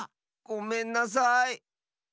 ごめんなさい。